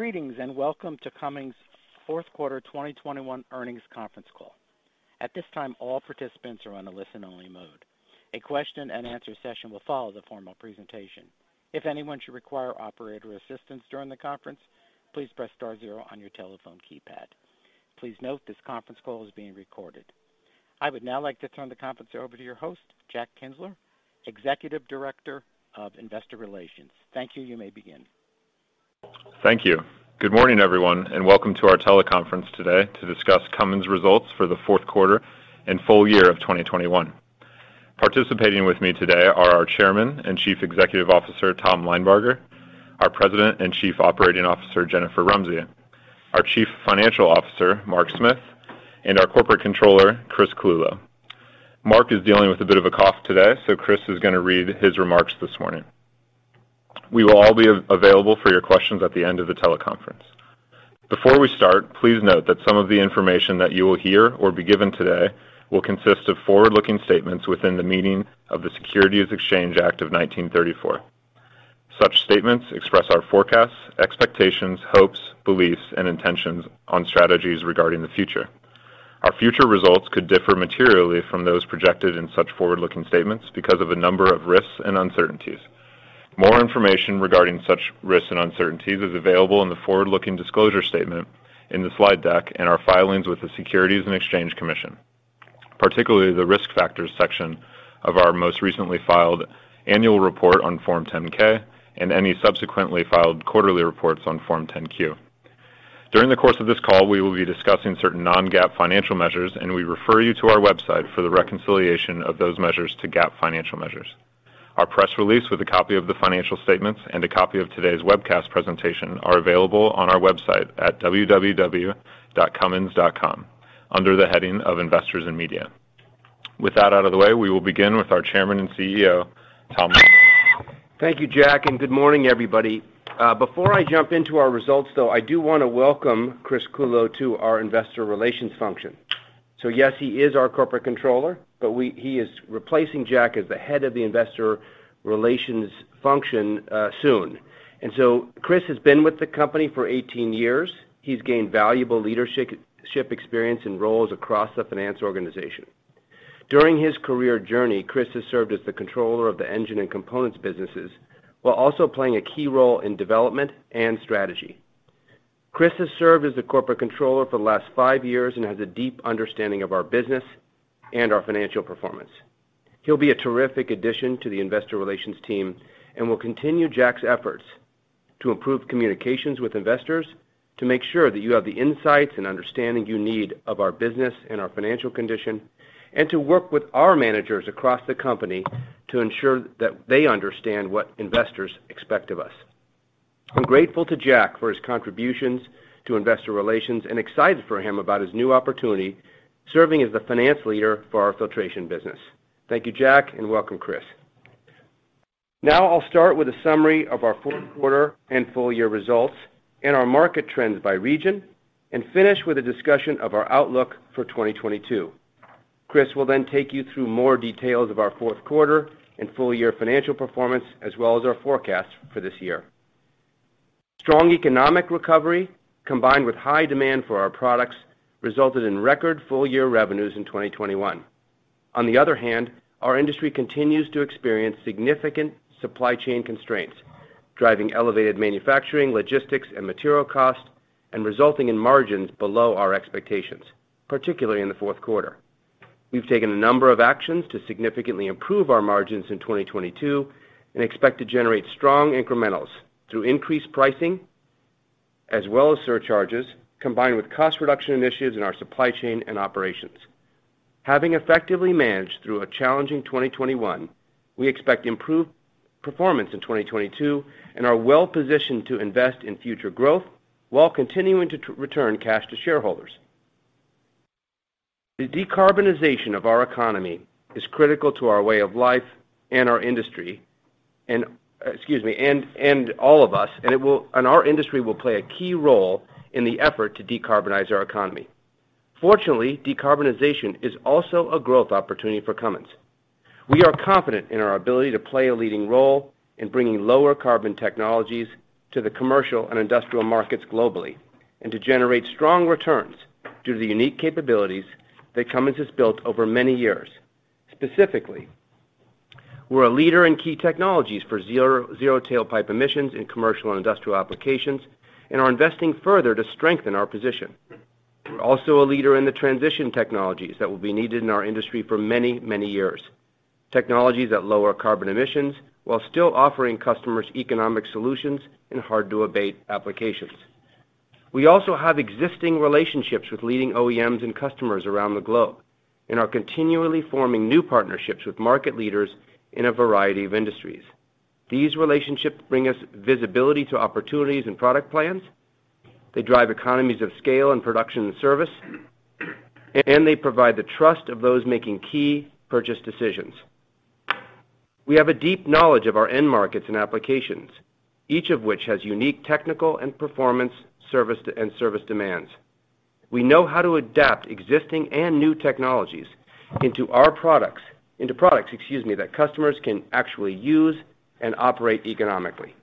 Greetings, and welcome to Cummins' fourth quarter 2021 earnings conference call. At this time, all participants are in listen-only mode. A question-and-answer session will follow the formal presentation. If anyone should require operator assistance during the conference, please press star zero on your telephone keypad. Please note this conference call is being recorded. I would now like to turn the conference over to your host, Jack Kienzler, Executive Director of Investor Relations. Thank you. You may begin. Thank you. Good morning, everyone, and welcome to our teleconference today to discuss Cummins results for the fourth quarter and full year of 2021. Participating with me today are our Chairman and Chief Executive Officer, Tom Linebarger, our President and Chief Operating Officer, Jennifer Rumsey, our Chief Financial Officer, Mark Smith, and our Corporate Controller, Chris Clulow. Mark is dealing with a bit of a cough today, so Chris is gonna read his remarks this morning. We will all be available for your questions at the end of the teleconference. Before we start, please note that some of the information that you will hear or be given today will consist of forward-looking statements within the meaning of the Securities Exchange Act of 1934. Such statements express our forecasts, expectations, hopes, beliefs, and intentions on strategies regarding the future. Our future results could differ materially from those projected in such forward-looking statements because of a number of risks and uncertainties. More information regarding such risks and uncertainties is available in the forward-looking disclosure statement in the slide deck and our filings with the Securities and Exchange Commission, particularly the Risk Factors section of our most recently filed annual report on Form 10-K and any subsequently filed quarterly reports on Form 10-Q. During the course of this call, we will be discussing certain non-GAAP financial measures, and we refer you to our website for the reconciliation of those measures to GAAP financial measures. Our press release with a copy of the financial statements and a copy of today's webcast presentation are available on our website at www.cummins.com under the heading of Investors and Media. With that out of the way, we will begin with our Chairman and CEO, Tom. Thank you, Jack, and good morning, everybody. Before I jump into our results, though, I do wanna welcome Chris Clulow to our investor relations function. Yes, he is our corporate controller, but he is replacing Jack as the head of the investor relations function, soon. Chris has been with the company for 18 years. He's gained valuable leadership experience in roles across the finance organization. During his career journey, Chris has served as the controller of the engine and components businesses while also playing a key role in development and strategy. Chris has served as the corporate controller for the last five years and has a deep understanding of our business and our financial performance. He'll be a terrific addition to the investor relations team and will continue Jack's efforts to improve communications with investors, to make sure that you have the insights and understanding you need of our business and our financial condition, and to work with our managers across the company to ensure that they understand what investors expect of us. I'm grateful to Jack for his contributions to investor relations and excited for him about his new opportunity serving as the finance leader for our filtration business. Thank you, Jack, and welcome, Chris. Now I'll start with a summary of our fourth quarter and full year results and our market trends by region and finish with a discussion of our outlook for 2022. Chris will then take you through more details of our fourth quarter and full year financial performance as well as our forecast for this year. Strong economic recovery combined with high demand for our products resulted in record full-year revenues in 2021. On the other hand, our industry continues to experience significant supply chain constraints, driving elevated manufacturing, logistics, and material costs and resulting in margins below our expectations, particularly in the fourth quarter. We've taken a number of actions to significantly improve our margins in 2022 and expect to generate strong incrementals through increased pricing as well as surcharges combined with cost reduction initiatives in our supply chain and operations. Having effectively managed through a challenging 2021, we expect improved performance in 2022 and are well positioned to invest in future growth while continuing to return cash to shareholders. The decarbonization of our economy is critical to our way of life and our industry and all of us, and our industry will play a key role in the effort to decarbonize our economy. Fortunately, decarbonization is also a growth opportunity for Cummins. We are confident in our ability to play a leading role in bringing lower carbon technologies to the commercial and industrial markets globally and to generate strong returns due to the unique capabilities that Cummins has built over many years. Specifically, we're a leader in key technologies for zero tailpipe emissions in commercial and industrial applications and are investing further to strengthen our position. We're also a leader in the transition technologies that will be needed in our industry for many years. Technologies that lower carbon emissions while still offering customers economic solutions in hard to abate applications. We also have existing relationships with leading OEMs and customers around the globe and are continually forming new partnerships with market leaders in a variety of industries. These relationships bring us visibility to opportunities and product plans. They drive economies of scale and production and service, and they provide the trust of those making key purchase decisions. We have a deep knowledge of our end markets and applications, each of which has unique technical and performance and service demands. We know how to adapt existing and new technologies into products, excuse me, that customers can actually use and operate economically.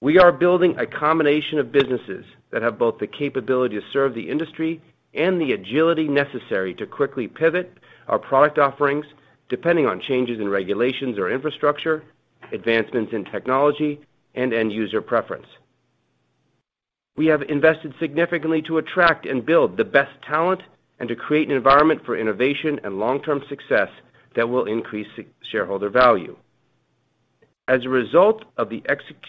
We are building a combination of businesses that have both the capability to serve the industry and the agility necessary to quickly pivot our product offerings depending on changes in regulations or infrastructure, advancements in technology, and end user preference. We have invested significantly to attract and build the best talent and to create an environment for innovation and long-term success that will increase shareholder value. As a result of the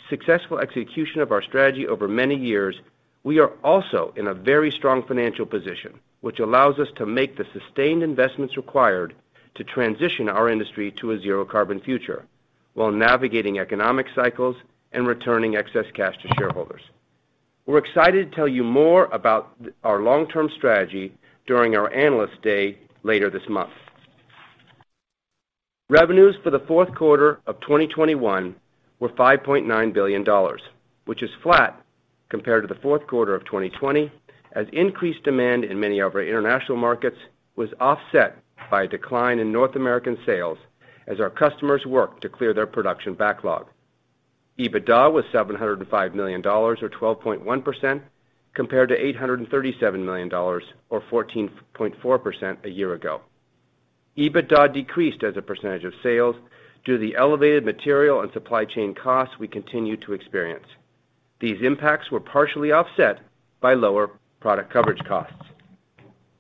successful execution of our strategy over many years, we are also in a very strong financial position, which allows us to make the sustained investments required to transition our industry to a zero-carbon future while navigating economic cycles and returning excess cash to shareholders. We're excited to tell you more about our long-term strategy during our Analyst Day later this month. Revenues for the fourth quarter of 2021 were $5.9 billion, which is flat compared to the fourth quarter of 2020, as increased demand in many of our international markets was offset by a decline in North American sales as our customers work to clear their production backlog. EBITDA was $705 million or 12.1% compared to $837 million or 14.4% a year ago. EBITDA decreased as a percentage of sales due to the elevated material and supply chain costs we continue to experience. These impacts were partially offset by lower product coverage costs.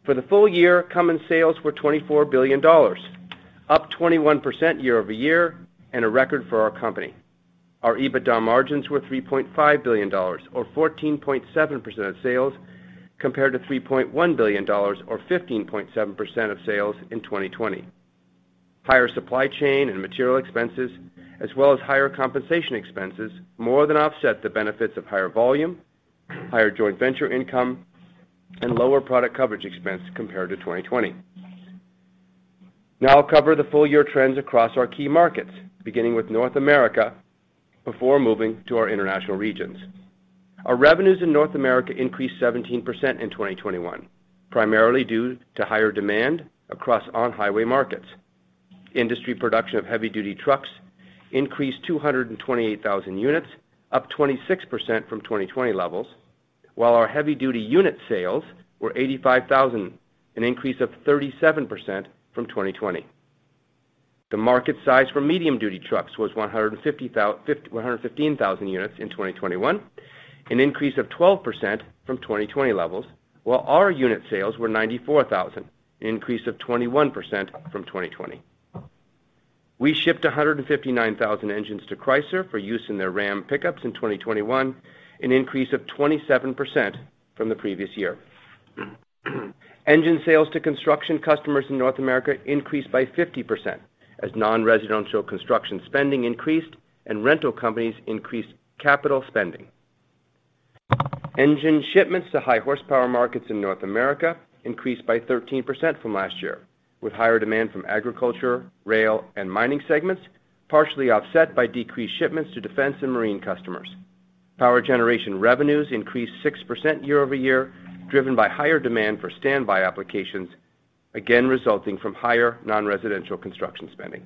For the full year, Cummins sales were $24 billion, up 21% year-over-year and a record for our company. Our EBITDA margins were $3.5 billion or 14.7% of sales, compared to $3.1 billion or 15.7% of sales in 2020. Higher supply chain and material expenses, as well as higher compensation expenses, more than offset the benefits of higher volume, higher joint venture income, and lower product coverage expense compared to 2020. Now I'll cover the full year trends across our key markets, beginning with North America before moving to our international regions. Our revenues in North America increased 17% in 2021, primarily due to higher demand across on-highway markets. Industry production of heavy-duty trucks increased 228,000 units, up 26% from 2020 levels, while our heavy duty unit sales were 85,000, an increase of 37% from 2020. The market size for medium-duty trucks was 115,000 units in 2021, an increase of 12% from 2020 levels, while our unit sales were 94,000, an increase of 21% from 2020. We shipped 159,000 engines to Chrysler for use in their Ram pickups in 2021, an increase of 27% from the previous year. Engine sales to construction customers in North America increased by 50% as non-residential construction spending increased and rental companies increased capital spending. Engine shipments to high horsepower markets in North America increased by 13% from last year, with higher demand from agriculture, rail, and mining segments, partially offset by decreased shipments to defense and marine customers. Power generation revenues increased 6% year over year, driven by higher demand for standby applications, again, resulting from higher non-residential construction spending.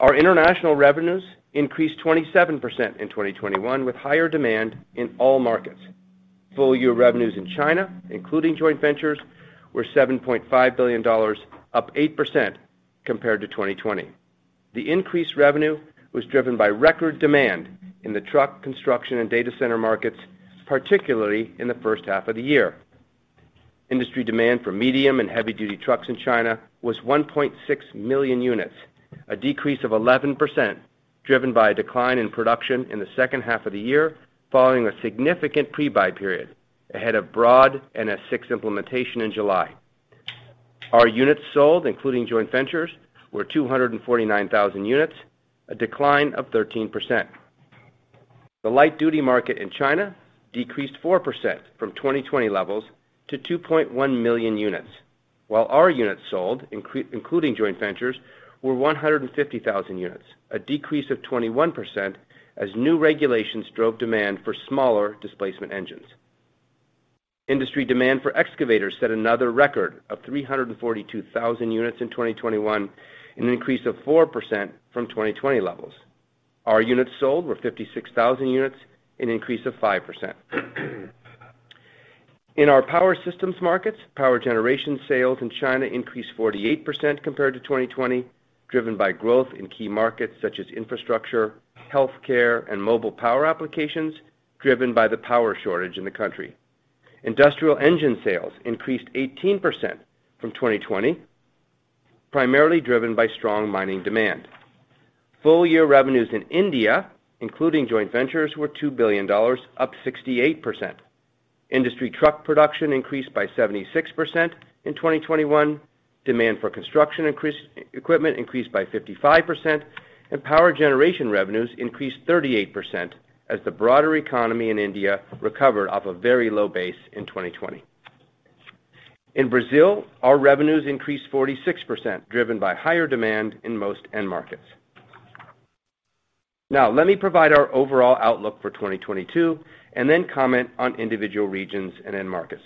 Our international revenues increased 27% in 2021, with higher demand in all markets. Full year revenues in China, including joint ventures, were $7.5 billion, up 8% compared to 2020. The increased revenue was driven by record demand in the truck, construction, and data center markets, particularly in the first half of the year. Industry demand for medium and heavy-duty trucks in China was 1.6 million units, a decrease of 11%, driven by a decline in production in the second half of the year, following a significant pre-buy period ahead of broad National VI implementation in July. Our units sold, including joint ventures, were 249,000 units, a decline of 13%. The light-duty market in China decreased 4% from 2020 levels to 2.1 million units, while our units sold, including joint ventures, were 150,000 units, a decrease of 21% as new regulations drove demand for smaller displacement engines. Industry demand for excavators set another record of 342,000 units in 2021, an increase of 4% from 2020 levels. Our units sold were 56,000 units, an increase of 5%. In our power systems markets, power generation sales in China increased 48% compared to 2020, driven by growth in key markets such as infrastructure, healthcare, and mobile power applications, driven by the power shortage in the country. Industrial engine sales increased 18% from 2020, primarily driven by strong mining demand. Full year revenues in India, including joint ventures, were $2 billion, up 68%. Industry truck production increased by 76% in 2021, demand for construction equipment increased by 55%, and power generation revenues increased 38% as the broader economy in India recovered off a very low base in 2020. In Brazil, our revenues increased 46%, driven by higher demand in most end markets. Now, let me provide our overall outlook for 2022 and then comment on individual regions and end markets.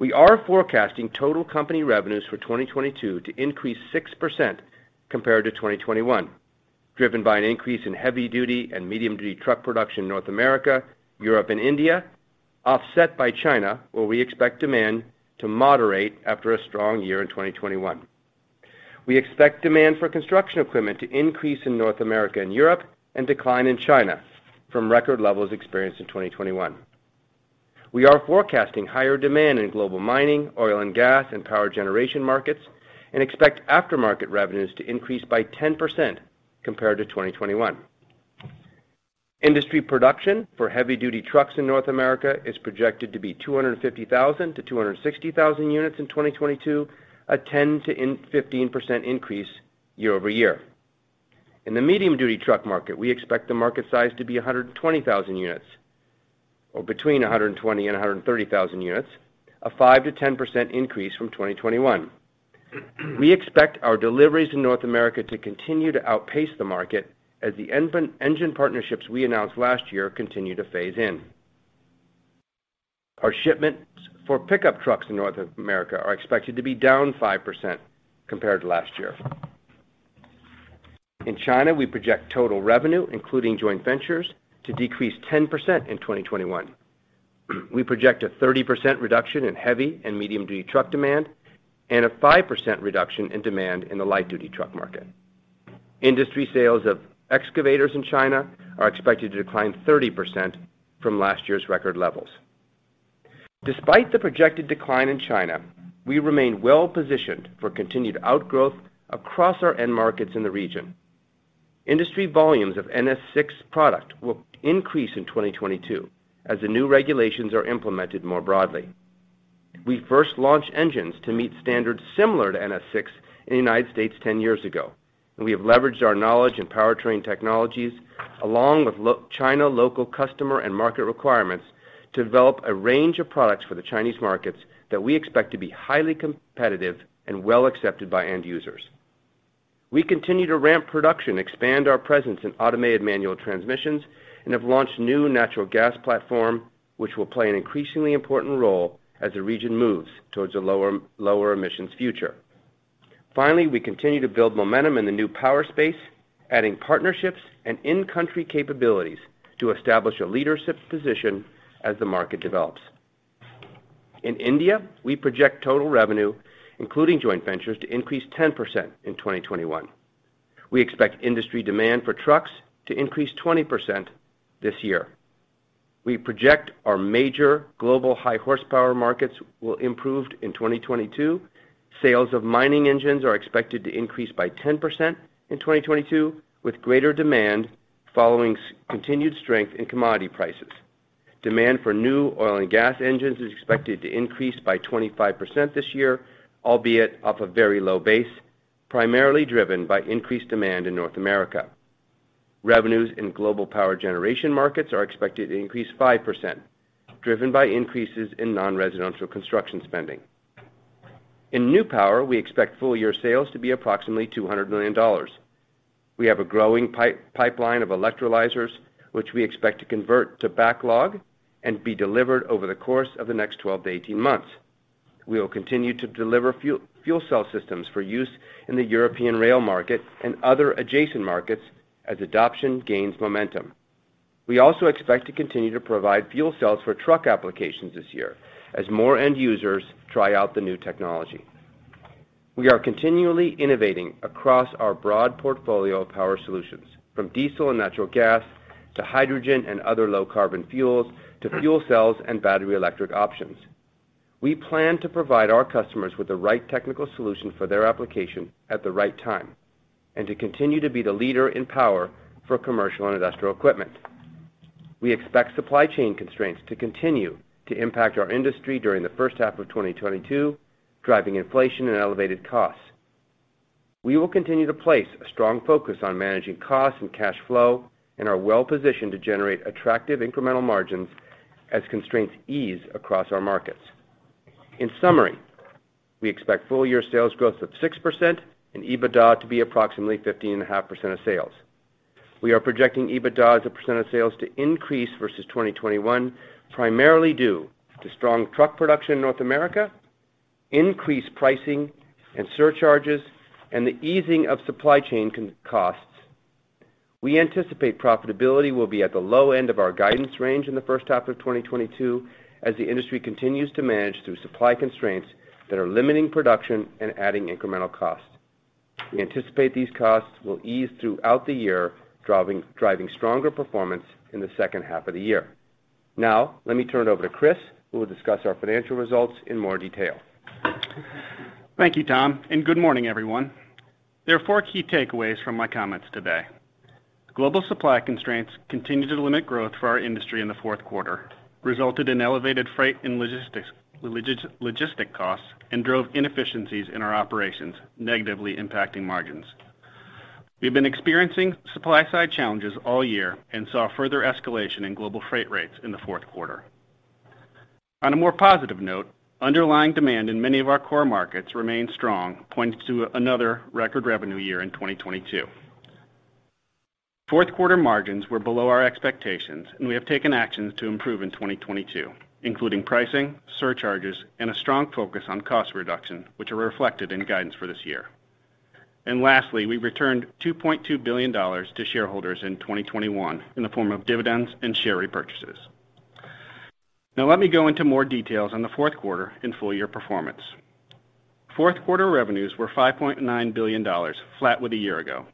We are forecasting total company revenues for 2022 to increase 6% compared to 2021, driven by an increase in heavy-duty and medium-duty truck production in North America, Europe, and India, offset by China, where we expect demand to moderate after a strong year in 2021. We expect demand for construction equipment to increase in North America and Europe and decline in China from record levels experienced in 2021. We are forecasting higher demand in global mining, oil and gas, and power generation markets, and expect aftermarket revenues to increase by 10% compared to 2021. Industry production for heavy duty trucks in North America is projected to be 250,000-260,000 units in 2022, a 10%-15% increase year-over-year. In the medium duty truck market, we expect the market size to be 120,000 units, or between 120,000-130,000 units, a 5%-10% increase from 2021. We expect our deliveries in North America to continue to outpace the market as the engine partnerships we announced last year continue to phase in. Our shipments for pickup trucks in North America are expected to be down 5% compared to last year. In China, we project total revenue, including joint ventures, to decrease 10% in 2021. We project a 30% reduction in heavy and medium duty truck demand and a 5% reduction in demand in the light duty truck market. Industry sales of excavators in China are expected to decline 30% from last year's record levels. Despite the projected decline in China, we remain well-positioned for continued outgrowth across our end markets in the region. Industry volumes of NS6 product will increase in 2022 as the new regulations are implemented more broadly. We first launched engines to meet standards similar to NS6 in the United States 10 years ago, and we have leveraged our knowledge in powertrain technologies along with local Chinese customer and market requirements to develop a range of products for the Chinese markets that we expect to be highly competitive and well accepted by end users. We continue to ramp production, expand our presence in automated manual transmissions, and have launched new natural gas platform, which will play an increasingly important role as the region moves towards a lower emissions future. Finally, we continue to build momentum in the New Power space, adding partnerships and in-country capabilities to establish a leadership position as the market develops. In India, we project total revenue, including joint ventures, to increase 10% in 2021. We expect industry demand for trucks to increase 20% this year. We project our major global high horsepower markets will improve in 2022. Sales of mining engines are expected to increase by 10% in 2022, with greater demand following continued strength in commodity prices. Demand for new oil and gas engines is expected to increase by 25% this year, albeit off a very low base, primarily driven by increased demand in North America. Revenues in global power generation markets are expected to increase 5%, driven by increases in non-residential construction spending. In New Power, we expect full year sales to be approximately $200 million. We have a growing pipeline of electrolyzers, which we expect to convert to backlog and be delivered over the course of the next 12-18 months. We will continue to deliver fuel cell systems for use in the European rail market and other adjacent markets as adoption gains momentum. We also expect to continue to provide fuel cells for truck applications this year as more end users try out the new technology. We are continually innovating across our broad portfolio of power solutions, from diesel and natural gas to hydrogen and other low carbon fuels to fuel cells and battery electric options. We plan to provide our customers with the right technical solution for their application at the right time and to continue to be the leader in power for commercial and industrial equipment. We expect supply chain constraints to continue to impact our industry during the first half of 2022, driving inflation and elevated costs. We will continue to place a strong focus on managing costs and cash flow and are well positioned to generate attractive incremental margins as constraints ease across our markets. In summary, we expect full year sales growth of 6% and EBITDA to be approximately 15.5% of sales. We are projecting EBITDA as a percent of sales to increase versus 2021, primarily due to strong truck production in North America, increased pricing and surcharges, and the easing of supply chain costs. We anticipate profitability will be at the low end of our guidance range in the first half of 2022 as the industry continues to manage through supply constraints that are limiting production and adding incremental costs. We anticipate these costs will ease throughout the year, driving stronger performance in the second half of the year. Now let me turn it over to Chris, who will discuss our financial results in more detail. Thank you, Tom, and good morning, everyone. There are four key takeaways from my comments today. Global supply constraints continued to limit growth for our industry in the fourth quarter, resulted in elevated freight and logistics, logistic costs, and drove inefficiencies in our operations, negatively impacting margins. We've been experiencing supply side challenges all year and saw further escalation in global freight rates in the fourth quarter. On a more positive note, underlying demand in many of our core markets remains strong, pointing to another record revenue year in 2022. Fourth quarter margins were below our expectations, and we have taken actions to improve in 2022, including pricing, surcharges, and a strong focus on cost reduction, which are reflected in guidance for this year. Lastly, we returned $2.2 billion to shareholders in 2021 in the form of dividends and share repurchases. Now, let me go into more details on the fourth quarter and full year performance. Fourth quarter revenues were $5.9 billion, flat with a year ago.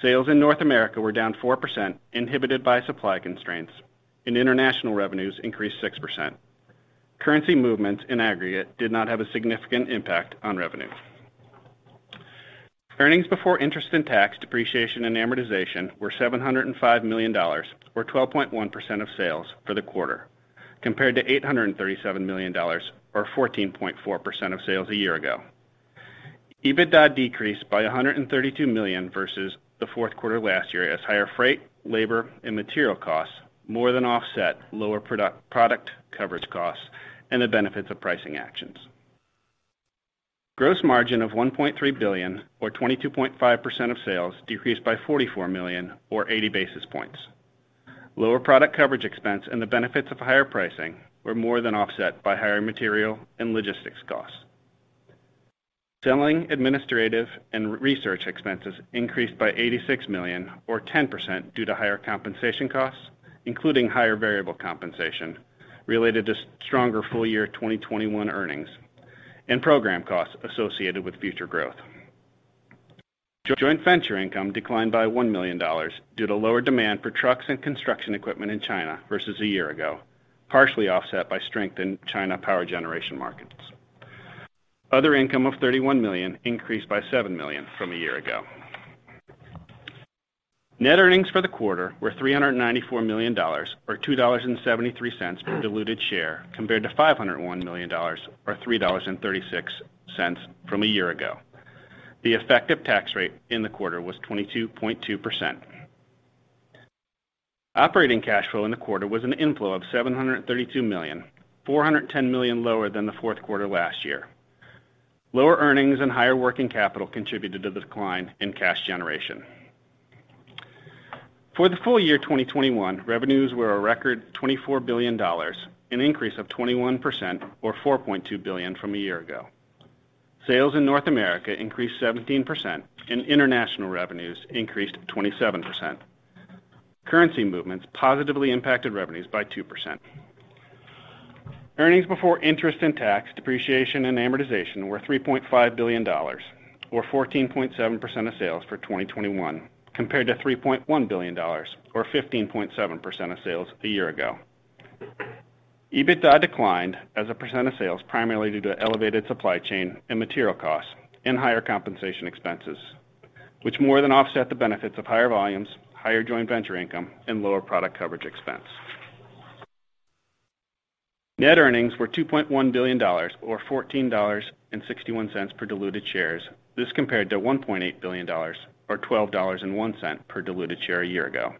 Sales in North America were down 4%, inhibited by supply constraints, and international revenues increased 6%. Currency movements in aggregate did not have a significant impact on revenue. Earnings before interest and tax, depreciation and amortization were $705 million, or 12.1% of sales for the quarter, compared to $837 million, or 14.4% of sales a year ago. EBITDA decreased by $132 million versus the fourth quarter last year as higher freight, labor, and material costs more than offset lower product coverage costs and the benefits of pricing actions. Gross margin of $1.3 billion or 22.5% of sales decreased by $44 million or 80 basis points. Lower product coverage expense and the benefits of higher pricing were more than offset by higher material and logistics costs. Selling, administrative and research expenses increased by $86 million or 10% due to higher compensation costs, including higher variable compensation related to stronger full year 2021 earnings and program costs associated with future growth. Joint venture income declined by $1 million due to lower demand for trucks and construction equipment in China versus a year ago, partially offset by strength in China power generation markets. Other income of $31 million increased by $7 million from a year ago. Net earnings for the quarter were $394 million, or $2.73 per diluted share, compared to $501 million or $3.36 from a year ago. The effective tax rate in the quarter was 22.2%. Operating cash flow in the quarter was an inflow of $732 million, $410 million lower than the fourth quarter last year. Lower earnings and higher working capital contributed to the decline in cash generation. For the full year 2021, revenues were a record $24 billion, an increase of 21% or $4.2 billion from a year ago. Sales in North America increased 17%, and international revenues increased 27%. Currency movements positively impacted revenues by 2%. Earnings before interest and tax, depreciation and amortization were $3.5 billion or 14.7% of sales for 2021, compared to $3.1 billion or 15.7% of sales a year ago. EBITDA declined as a % of sales, primarily due to elevated supply chain and material costs and higher compensation expenses, which more than offset the benefits of higher volumes, higher joint venture income and lower product coverage expense. Net earnings were $2.1 billion or $14.61 per diluted share. This compared to $1.8 billion or $12.01 per diluted share a year ago.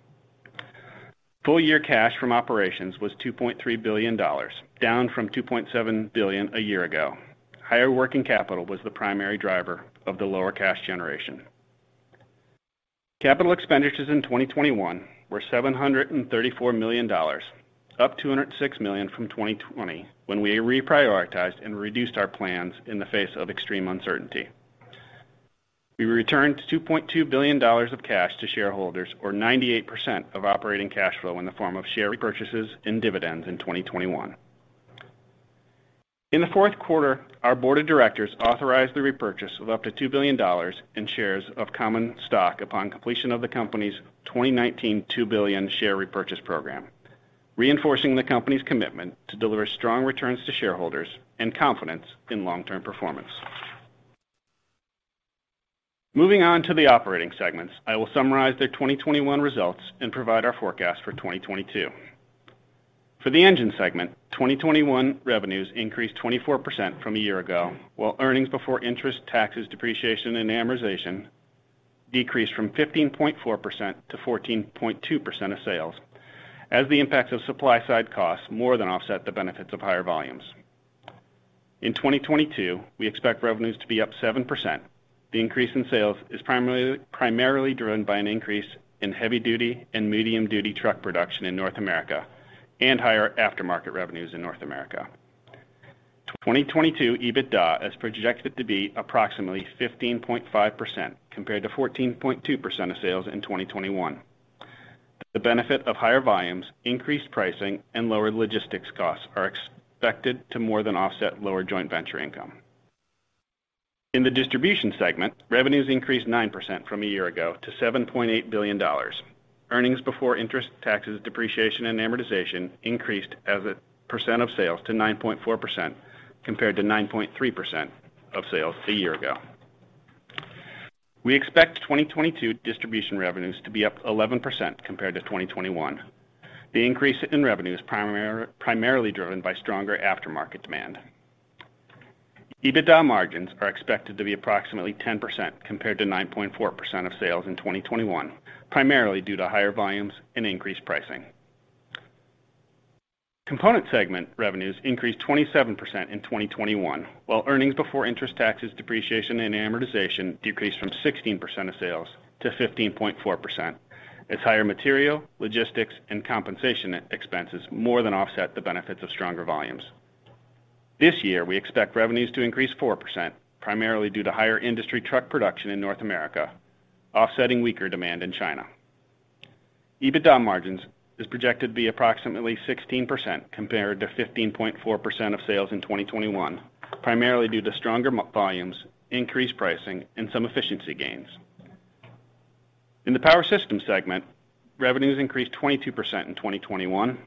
Full year cash from operations was $2.3 billion, down from $2.7 billion a year ago. Higher working capital was the primary driver of the lower cash generation. Capital expenditures in 2021 were $734 million, up $206 million from 2020 when we reprioritized and reduced our plans in the face of extreme uncertainty. We returned $2.2 billion of cash to shareholders, or 98% of operating cash flow in the form of share repurchases and dividends in 2021. In the fourth quarter, our board of directors authorized the repurchase of up to $2 billion in shares of common stock upon completion of the company's 2019 $2 billion share repurchase program, reinforcing the company's commitment to deliver strong returns to shareholders and confidence in long-term performance. Moving on to the operating segments, I will summarize their 2021 results and provide our forecast for 2022. For the Engine segment, 2021 revenues increased 24% from a year ago, while earnings before interest, taxes, depreciation and amortization decreased from 15.4%-14.2% of sales as the impact of supply side costs more than offset the benefits of higher volumes. In 2022, we expect revenues to be up 7%. The increase in sales is primarily driven by an increase in heavy duty and medium duty truck production in North America and higher aftermarket revenues in North America. 2022 EBITDA is projected to be approximately 15.5% compared to 14.2% of sales in 2021. The benefit of higher volumes, increased pricing and lower logistics costs are expected to more than offset lower joint venture income. In the Distribution segment, revenues increased 9% from a year ago to $7.8 billion. Earnings before interest, taxes, depreciation and amortization increased as a percent of sales to 9.4%, compared to 9.3% of sales a year ago. We expect 2022 Distribution revenues to be up 11% compared to 2021. The increase in revenue is primarily driven by stronger aftermarket demand. EBITDA margins are expected to be approximately 10% compared to 9.4% of sales in 2021, primarily due to higher volumes and increased pricing. Components segment revenues increased 27% in 2021, while earnings before interest, taxes, depreciation and amortization decreased from 16% of sales to 15.4%, as higher material, logistics and compensation expenses more than offset the benefits of stronger volumes. This year, we expect revenues to increase 4%, primarily due to higher industry truck production in North America, offsetting weaker demand in China. EBITDA margins is projected to be approximately 16% compared to 15.4% of sales in 2021, primarily due to stronger volumes, increased pricing, and some efficiency gains. In the Power Systems segment, revenues increased 22% in 2021,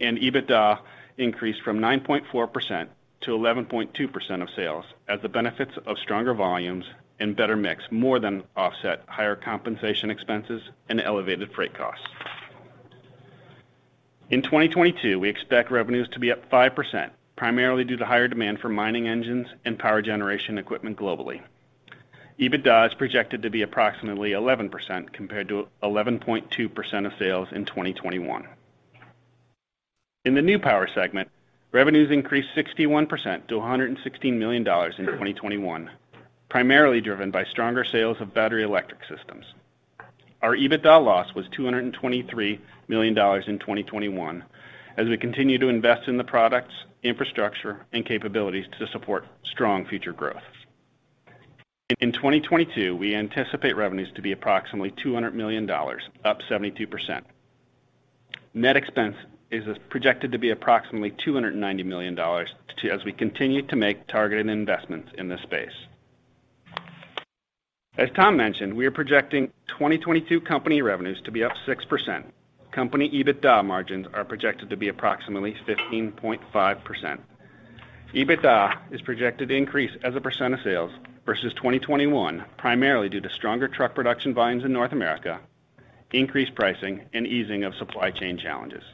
and EBITDA increased from 9.4%-11.2% of sales as the benefits of stronger volumes and better mix more than offset higher compensation expenses and elevated freight costs. In 2022, we expect revenues to be up 5%, primarily due to higher demand for mining engines and power generation equipment globally. EBITDA is projected to be approximately 11% compared to 11.2% of sales in 2021. In the New Power segment, revenues increased 61% to $116 million in 2021, primarily driven by stronger sales of battery electric systems. Our EBITDA loss was $223 million in 2021, as we continue to invest in the products, infrastructure and capabilities to support strong future growth. In 2022, we anticipate revenues to be approximately $200 million, up 72%. Net expense is projected to be approximately $290 million as we continue to make targeted investments in this space. As Tom mentioned, we are projecting 2022 company revenues to be up 6%. Company EBITDA margins are projected to be approximately 15.5%. EBITDA is projected to increase as a percent of sales versus 2021, primarily due to stronger truck production volumes in North America, increased pricing and easing of supply chain challenges.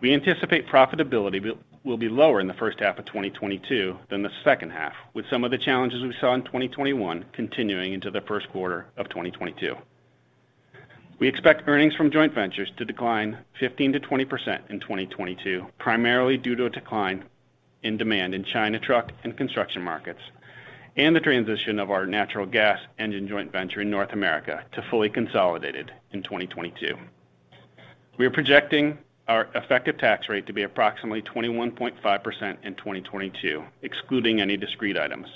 We anticipate profitability will be lower in the first half of 2022 than the second half, with some of the challenges we saw in 2021 continuing into the first quarter of 2022. We expect earnings from joint ventures to decline 15%-20% in 2022, primarily due to a decline in demand in China truck and construction markets, and the transition of our natural gas engine joint venture in North America to fully consolidated in 2022. We are projecting our effective tax rate to be approximately 21.5% in 2022, excluding any discrete items.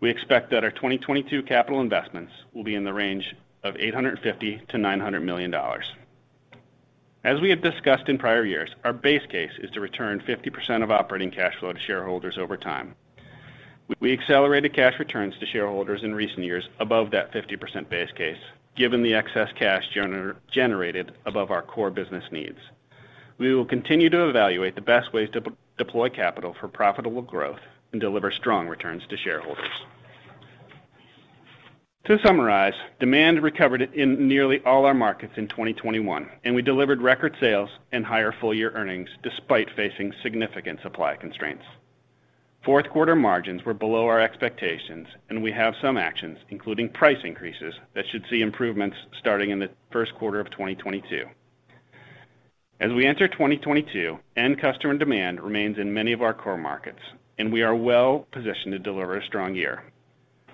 We expect that our 2022 capital investments will be in the range of $850 million-$900 million. As we have discussed in prior years, our base case is to return 50% of operating cash flow to shareholders over time. We accelerated cash returns to shareholders in recent years above that 50% base case, given the excess cash generated above our core business needs. We will continue to evaluate the best ways to deploy capital for profitable growth and deliver strong returns to shareholders. To summarize, demand recovered in nearly all our markets in 2021, and we delivered record sales and higher full year earnings despite facing significant supply constraints. Fourth quarter margins were below our expectations, and we have some actions, including price increases, that should see improvements starting in the first quarter of 2022. As we enter 2022, end customer demand remains in many of our core markets, and we are well positioned to deliver a strong year.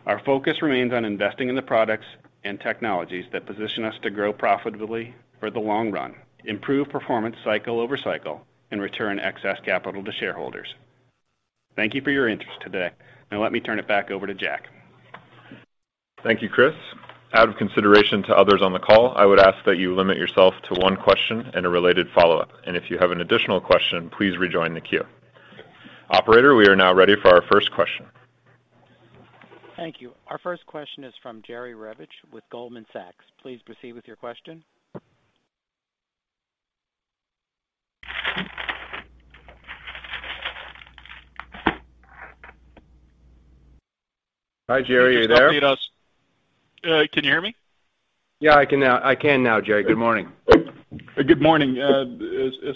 Our focus remains on investing in the products and technologies that position us to grow profitably for the long run, improve performance cycle-over-cycle and return excess capital to shareholders. Thank you for your interest today. Now let me turn it back over to Jack. Thank you, Chris. Out of consideration to others on the call, I would ask that you limit yourself to one question and a related follow-up. If you have an additional question, please rejoin the queue. Operator, we are now ready for our first question. Thank you. Our first question is from Jerry Revich with Goldman Sachs. Please proceed with your question. Hi, Jerry. Are you there? Can you hear me? Yeah, I can now, Jerry. Good morning. Good morning.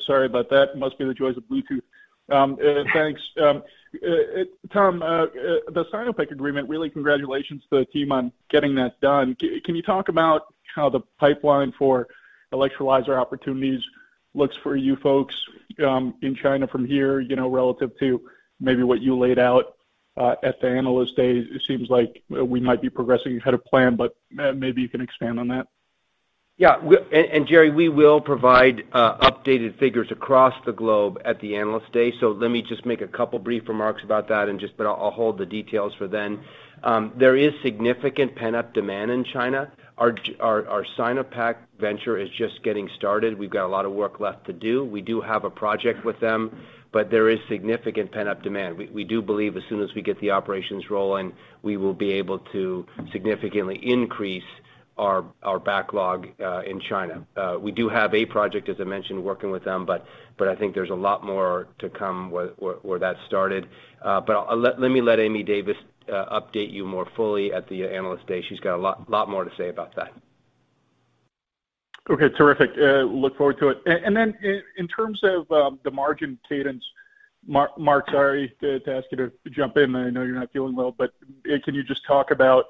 Sorry about that. Must be the joys of Bluetooth. Thanks. Tom, the Sinopec agreement, really congratulations to the team on getting that done. Can you talk about how the pipeline for electrolyzer opportunities looks for you folks in China from here, you know, relative to maybe what you laid out at the Analyst Day? It seems like we might be progressing ahead of plan, but maybe you can expand on that. Yeah, and Jerry, we will provide updated figures across the globe at the Analyst Day. Let me just make a couple brief remarks about that and just, but I'll hold the details for then. There is significant pent-up demand in China. Our Sinopec venture is just getting started. We've got a lot of work left to do. We do have a project with them, but there is significant pent-up demand. We do believe as soon as we get the operations rolling, we will be able to significantly increase our backlog in China. We do have a project, as I mentioned, working with them, but I think there's a lot more to come where that started. I'll let Amy Davis update you more fully at the Analyst Day. She's got a lot more to say about that. Okay, terrific. Look forward to it. In terms of the margin cadence, Mark, sorry to ask you to jump in. I know you're not feeling well, but can you just talk about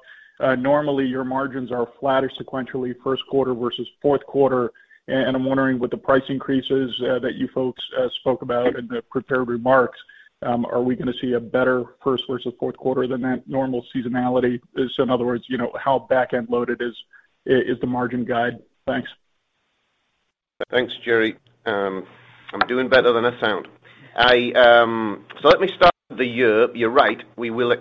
normally your margins are flatter sequentially first quarter versus fourth quarter. I'm wondering with the price increases that you folks spoke about in the prepared remarks, are we gonna see a better first versus fourth quarter than that normal seasonality? In other words, you know, how back-end loaded is the margin guide? Thanks. Thanks, Jerry. I'm doing better than I sound. Let me start with the year. You're right. We will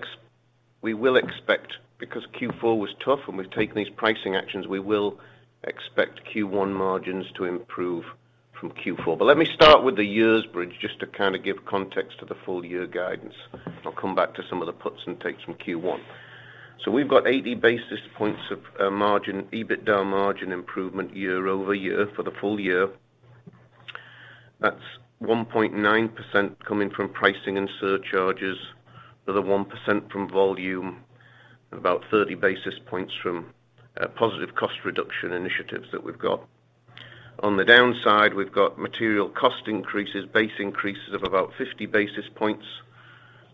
expect, because Q4 was tough and we've taken these pricing actions, we will expect Q1 margins to improve from Q4. Let me start with the year's bridge just to kind of give context to the full year guidance. I'll come back to some of the puts and takes from Q1. We've got 80 basis points of margin, EBITDA margin improvement year-over-year for the full year. That's 1.9% coming from pricing and surcharges, with a 1% from volume, about 30 basis points from positive cost reduction initiatives that we've got. On the downside, we've got material cost increases of about 50 basis points.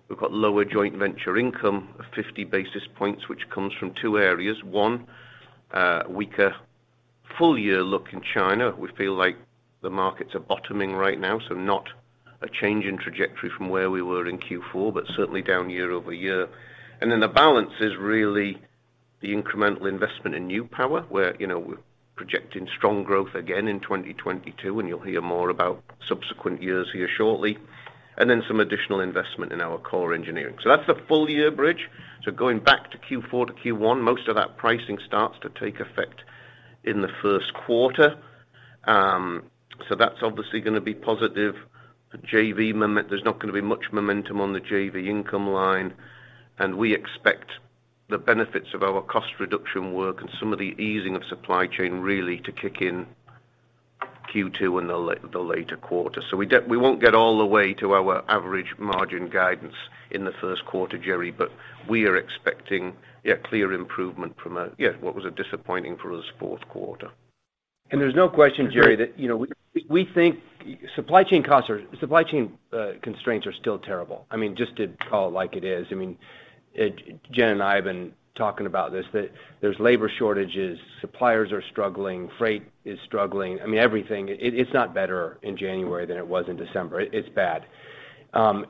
We've got lower joint venture income of 50 basis points, which comes from two areas. One, weaker full year look in China. We feel like the markets are bottoming right now, so not a change in trajectory from where we were in Q4, but certainly down year-over-year. Then the balance is really the incremental investment in New Power, where, you know, we're projecting strong growth again in 2022, and you'll hear more about subsequent years here shortly, and then some additional investment in our core engineering. That's the full year bridge. Going back to Q4 to Q1, most of that pricing starts to take effect in the first quarter. That's obviously gonna be positive. There's not gonna be much momentum on the JV income line. We expect the benefits of our cost reduction work and some of the easing of supply chain really to kick in Q2 and the later quarters. We won't get all the way to our average margin guidance in the first quarter, Jerry, but we are expecting, yeah, clear improvement from, yeah, what was a disappointing fourth quarter for us. There's no question, Jerry, that, you know, we think supply chain constraints are still terrible. I mean, just to call it like it is. I mean, Jen and I have been talking about this, that there's labor shortages, suppliers are struggling, freight is struggling. I mean, everything. It's not better in January than it was in December. It's bad. Our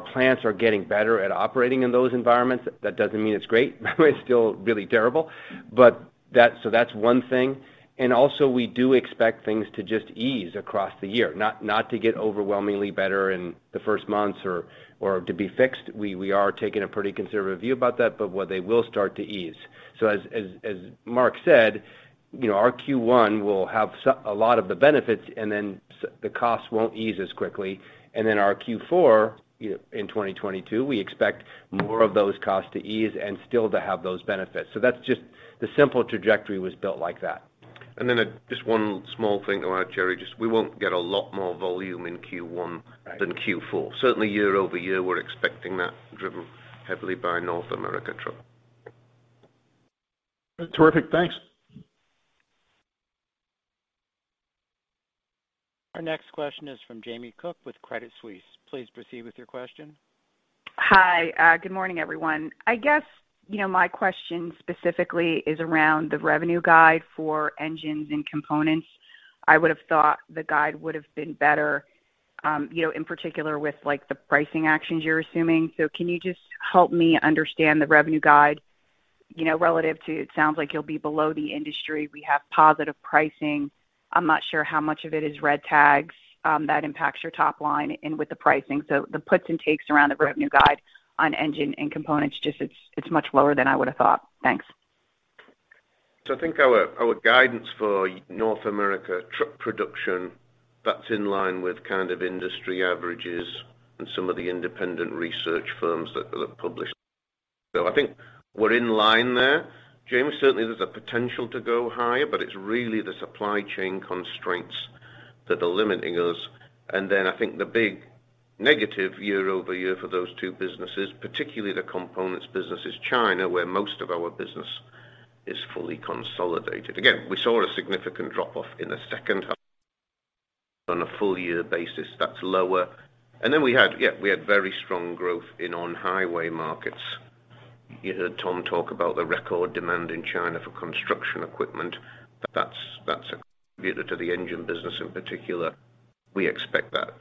plants are getting better at operating in those environments. That doesn't mean it's great. It's still really terrible. That's one thing. We do expect things to just ease across the year, not to get overwhelmingly better in the first months or to be fixed. We are taking a pretty conservative view about that, but what they will start to ease. As Mark said, you know, our Q1 will have a lot of the benefits and then the costs won't ease as quickly. Our Q4, you know, in 2022, we expect more of those costs to ease and still to have those benefits. That's just the simple trajectory was built like that. Just one small thing to add, Jerry, just we won't get a lot more volume in Q1. Right. than Q4. Certainly, year-over-year, we're expecting that, driven heavily by North America truck. Terrific. Thanks. Our next question is from Jamie Cook with Credit Suisse. Please proceed with your question. Hi. Good morning, everyone. I guess, you know, my question specifically is around the revenue guide for engines and components. I would have thought the guide would have been better, you know, in particular with like the pricing actions you're assuming. Can you just help me understand the revenue guide, you know, relative to it sounds like you'll be below the industry. We have positive pricing. I'm not sure how much of it is red tags, that impacts your top line and with the pricing. The puts and takes around the revenue guide on engine and components just it's much lower than I would have thought. Thanks. I think our guidance for North America truck production, that's in line with kind of industry averages and some of the independent research firms that publish. I think we're in line there. Jamie, certainly there's a potential to go higher, but it's really the supply chain constraints that are limiting us. I think the big negative year-over-year for those two businesses, particularly the components business, is China, where most of our business is fully consolidated. Again, we saw a significant drop-off in the second half. On a full year basis, that's lower. We had very strong growth in on-highway markets. You heard Tom talk about the record demand in China for construction equipment. That's a contributor to the engine business in particular. We expect that.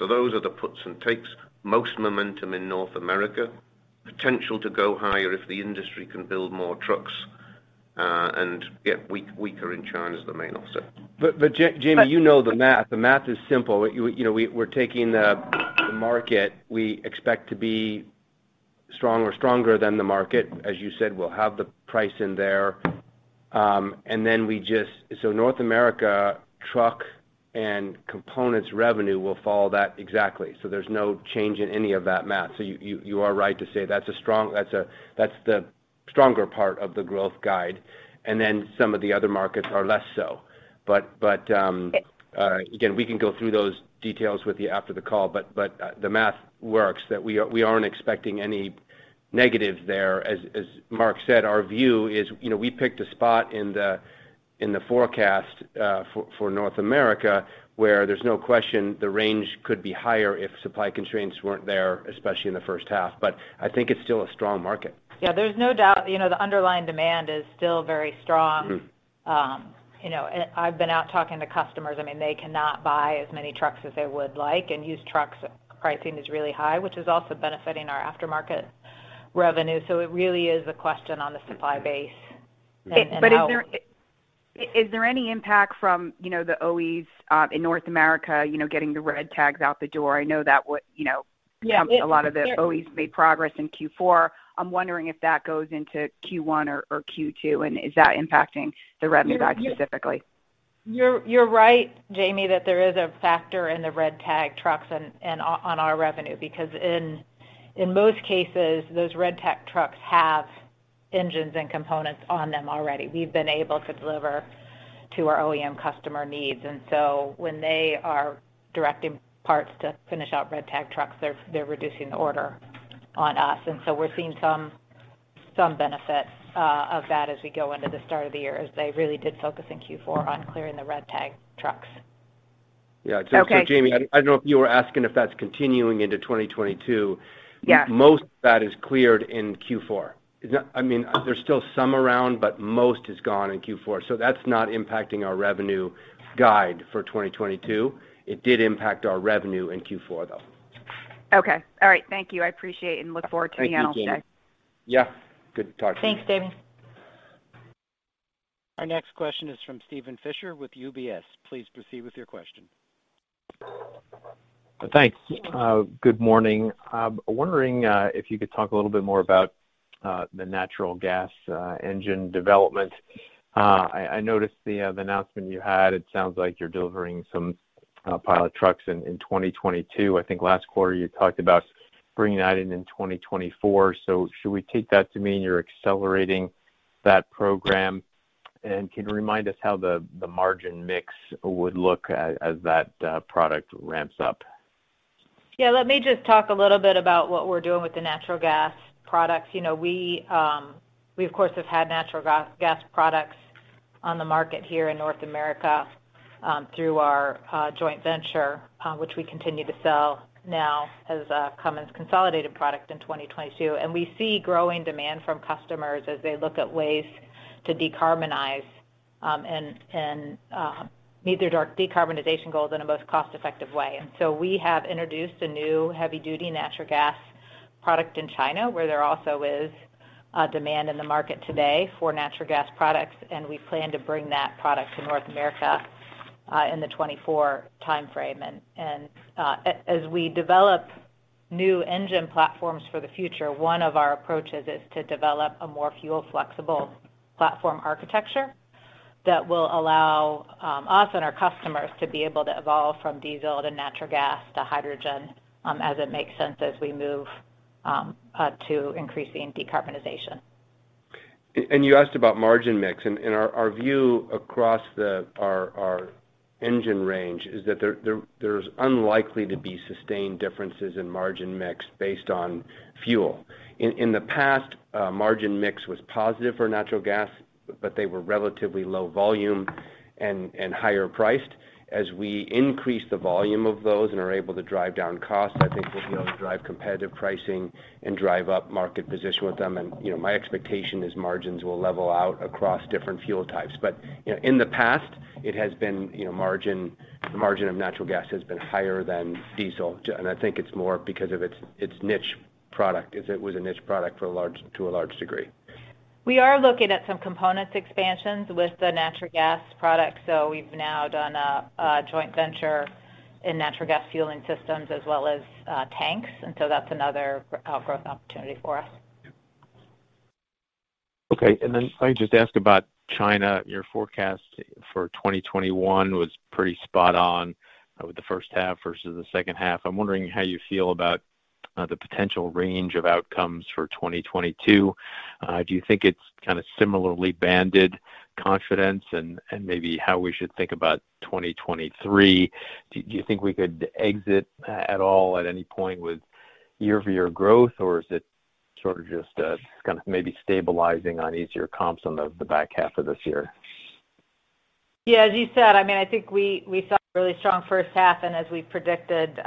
Those are the puts and takes. Most momentum in North America. Potential to go higher if the industry can build more trucks, and get weaker in China is the main offset. Jamie, you know the math. The math is simple. You know, we're taking the market we expect to be strong or stronger than the market. As you said, we'll have the price in there. And then, so North America truck and components revenue will follow that exactly. There's no change in any of that math. You are right to say that's the stronger part of the growth guide, and then some of the other markets are less so. Again, we can go through those details with you after the call, but the math works that we aren't expecting any negative there. As Mark said, our view is, you know, we picked a spot in the forecast for North America, where there's no question the range could be higher if supply constraints weren't there, especially in the first half. I think it's still a strong market. Yeah, there's no doubt, you know, the underlying demand is still very strong. Mm. You know, I've been out talking to customers. I mean, they cannot buy as many trucks as they would like, and used trucks pricing is really high, which is also benefiting our aftermarket revenue. It really is a question on the supply base and how- Is there any impact from, you know, the OEs in North America, you know, getting the red tags out the door? I know that what, you know- Yeah. A lot of the OEs made progress in Q4. I'm wondering if that goes into Q1 or Q2, and is that impacting the revenue guide specifically? You're right, Jamie, that there is a factor in the red tag trucks and on our revenue, because in most cases, those red tag trucks have engines and components on them already. We've been able to deliver to our OEM customer needs. When they are directing parts to finish out red tag trucks, they're reducing the order on us. We're seeing some benefit of that as we go into the start of the year, as they really did focus in Q4 on clearing the red tag trucks. Yeah. Okay. Jamie, I don't know if you were asking if that's continuing into 2022. Yeah. Most of that is cleared in Q4. It's not, I mean, there's still some around, but most is gone in Q4. That's not impacting our revenue guide for 2022. It did impact our revenue in Q4, though. Okay. All right. Thank you. I appreciate and look forward to the Analyst Day. Thank you, Jamie. Yeah. Good talking to you. Thanks, Jamie. Our next question is from Steven Fisher with UBS. Please proceed with your question. Thanks. Good morning. Wondering if you could talk a little bit more about the natural gas engine development. I noticed the announcement you had. It sounds like you're delivering some pilot trucks in 2022. I think last quarter you talked about bringing that in in 2024. Should we take that to mean you're accelerating that program? Can you remind us how the margin mix would look as that product ramps up? Yeah. Let me just talk a little bit about what we're doing with the natural gas products. You know, we of course have had natural gas products on the market here in North America through our joint venture, which we continue to sell now as Cummins consolidated product in 2022. We see growing demand from customers as they look at ways to decarbonize and meet their decarbonization goals in a most cost effective way. We have introduced a new heavy-duty natural gas product in China, where there also is demand in the market today for natural gas products, and we plan to bring that product to North America in the 2024 timeframe. As we develop new engine platforms for the future, one of our approaches is to develop a more fuel flexible platform architecture that will allow us and our customers to be able to evolve from diesel to natural gas to hydrogen, as it makes sense as we move to increasing decarbonization. You asked about margin mix. Our view across our engine range is that there's unlikely to be sustained differences in margin mix based on fuel. In the past, margin mix was positive for natural gas, but they were relatively low volume and higher priced. As we increase the volume of those and are able to drive down costs, I think we'll be able to drive competitive pricing and drive up market position with them. You know, my expectation is margins will level out across different fuel types. You know, in the past, it has been, you know, margin of natural gas has been higher than diesel. I think it's more because of its niche product, it was a niche product to a large degree. We are looking at some components expansions with the natural gas product. We've now done a joint venture in natural gas fueling systems as well as tanks. That's another outgrowth opportunity for us. Okay. Let me just ask about China. Your forecast for 2021 was pretty spot on with the first half versus the second half. I'm wondering how you feel about the potential range of outcomes for 2022. Do you think it's kind of similarly banded confidence and maybe how we should think about 2023? Do you think we could exit at all at any point with year-over-year growth, or is it sort of just kind of maybe stabilizing on easier comps on the back half of this year? Yeah, as you said, I mean, I think we saw a really strong first half, and as we predicted,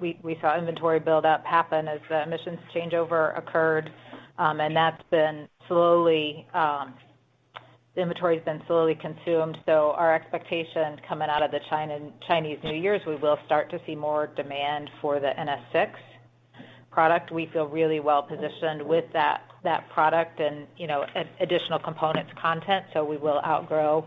we saw inventory buildup happen as the emissions changeover occurred. That's been slowly consumed. Our expectation coming out of the Chinese New Year is we will start to see more demand for the NS6 product. We feel really well-positioned with that product and, you know, additional components content. We will outgrow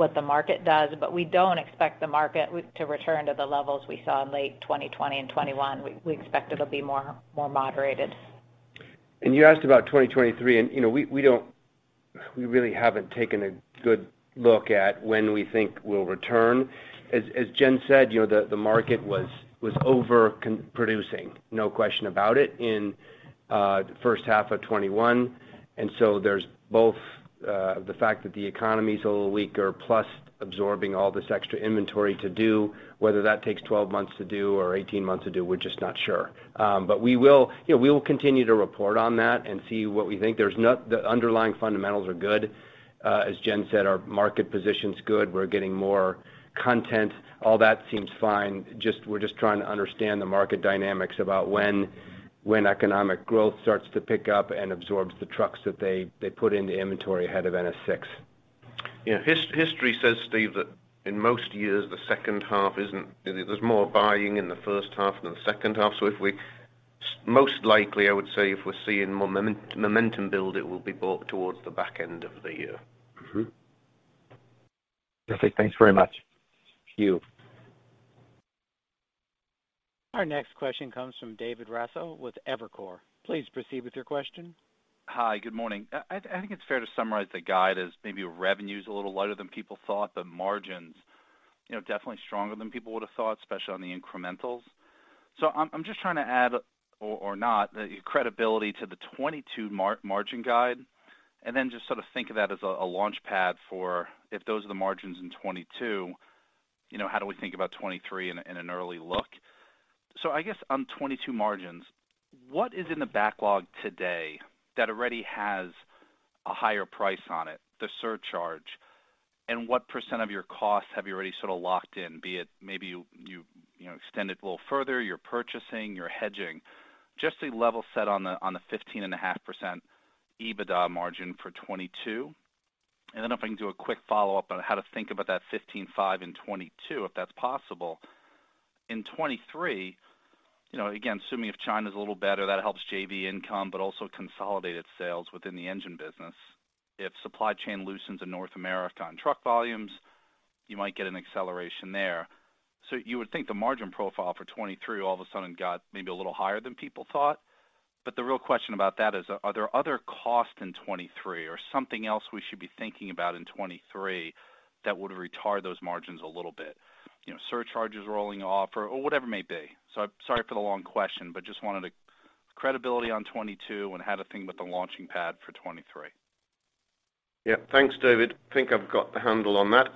what the market does. We don't expect the market to return to the levels we saw in late 2020 and 2021. We expect it'll be more moderated. You asked about 2023, and, you know, we really haven't taken a good look at when we think we'll return. As Jen said, you know, the market was overproducing, no question about it, in the first half of 2021. There's both the fact that the economy is a little weaker plus absorbing all this extra inventory to do. Whether that takes 12 months or 18 months, we're just not sure. We will, you know, continue to report on that and see what we think. The underlying fundamentals are good. As Jen said, our market position's good. We're getting more content. All that seems fine. We're just trying to understand the market dynamics about when economic growth starts to pick up and absorbs the trucks that they put into inventory ahead of National VI. Yeah. History says, Steve, that in most years, the second half isn't. There's more buying in the first half than the second half. Most likely, I would say, if we're seeing more momentum build, it will be bought towards the back end of the year. Mm-hmm. Perfect. Thanks very much. Thank you. Our next question comes from David Raso with Evercore. Please proceed with your question. Hi. Good morning. I think it's fair to summarize the guide as maybe revenue's a little lighter than people thought, the margins, you know, definitely stronger than people would have thought, especially on the incrementals. I'm just trying to add or not the credibility to the 2022 margin guide, and then just sort of think of that as a launchpad for if those are the margins in 2022, you know, how do we think about 2023 in an early look. I guess on 2022 margins, what is in the backlog today that already has a higher price on it, the surcharge. And what percent of your costs have you already sort of locked in, be it maybe you know, extend it a little further, you're purchasing, you're hedging. Just a level set on the 15.5% EBITDA margin for 2022. If I can do a quick follow-up on how to think about that 15.5% in 2022, if that's possible. In 2023, you know, again, assuming if China's a little better, that helps JV income, but also consolidated sales within the engine business. If supply chain loosens in North America on truck volumes, you might get an acceleration there. You would think the margin profile for 2023 all of a sudden got maybe a little higher than people thought. The real question about that is, are there other costs in 2023 or something else we should be thinking about in 2023 that would retard those margins a little bit? You know, surcharges rolling off or whatever it may be. Sorry for the long question, but just wanted a read on 2022 and how to think about the launching pad for 2023. Yeah. Thanks, David. I think I've got a handle on that.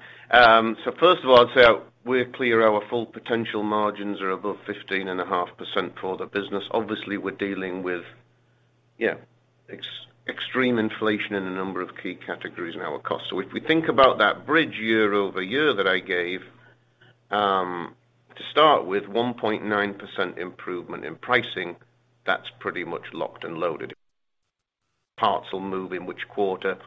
First of all, I'd say we're clear that our full potential margins are above 15.5% for the business. Obviously, we're dealing with, yeah, extreme inflation in a number of key categories in our cost. If we think about that bridge year-over-year that I gave, to start with 1.9% improvement in pricing, that's pretty much locked and loaded. Parts will move in which quarter,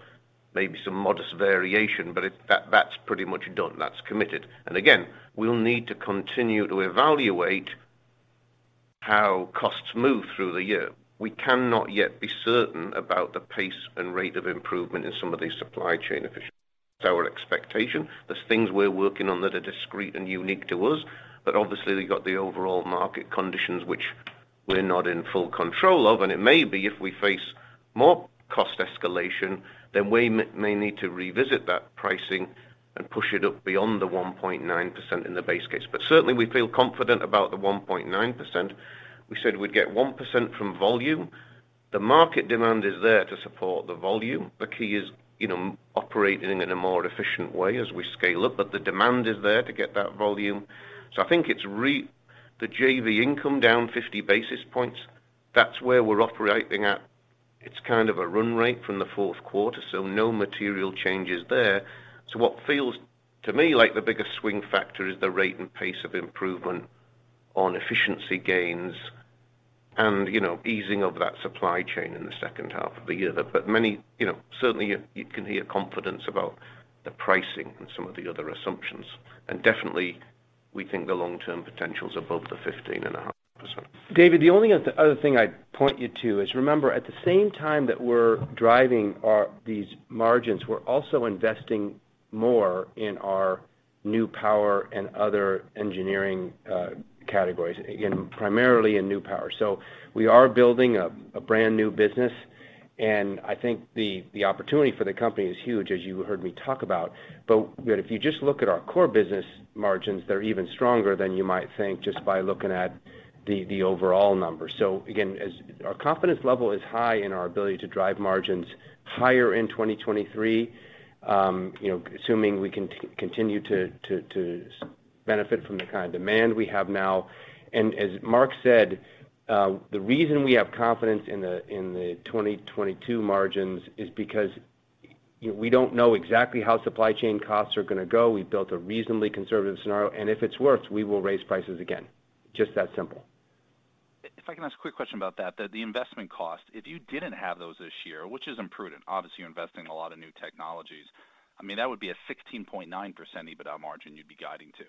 maybe some modest variation, but that's pretty much done. That's committed. Again, we'll need to continue to evaluate how costs move through the year. We cannot yet be certain about the pace and rate of improvement in some of these supply chain efficiencies. That's our expectation. There's things we're working on that are discrete and unique to us. Obviously, we've got the overall market conditions which we're not in full control of. It may be if we face more cost escalation, then we may need to revisit that pricing and push it up beyond the 1.9% in the base case. Certainly, we feel confident about the 1.9%. We said we'd get 1% from volume. The market demand is there to support the volume. The key is, you know, operating in a more efficient way as we scale up. The demand is there to get that volume. I think it's the JV income down 50 basis points. That's where we're operating at. It's kind of a run rate from the fourth quarter, so no material changes there. What feels to me like the biggest swing factor is the rate and pace of improvement on efficiency gains and, you know, easing of that supply chain in the second half of the year. Many, you know, certainly you can hear confidence about the pricing and some of the other assumptions. Definitely, we think the long-term potential is above 15.5%. David, the only other thing I'd point you to is remember, at the same time that we're driving these margins, we're also investing more in our New Power and other engineering categories, again, primarily in New Power. We are building a brand new business, and I think the opportunity for the company is huge, as you heard me talk about. If you just look at our core business margins, they're even stronger than you might think just by looking at the overall number. Again, our confidence level is high in our ability to drive margins higher in 2023, you know, assuming we continue to benefit from the kind of demand we have now. As Mark said, the reason we have confidence in the 2022 margins is because, you know, we don't know exactly how supply chain costs are gonna go. We've built a reasonably conservative scenario, and if it's worse, we will raise prices again. Just that simple. If I can ask a quick question about that. The investment cost, if you didn't have those this year, which is imprudent, obviously, you're investing in a lot of new technologies. I mean, that would be a 16.9% EBITDA margin you'd be guiding to.